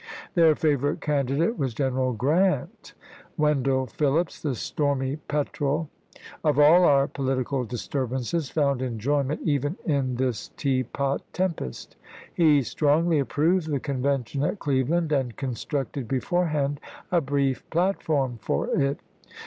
Their favorite candidate was General Grant. Wendell Phillips, the stormy petrel of all our political disturbances, found enjoyment even in this teapot tempest. He strongly approved the Convention at Cleveland, and constructed before hand a brief platform for it.